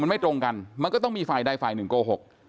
มันไม่ตรงกันมันก็ต้องมีฝ่ายใดฝ่ายหนึ่งโกหก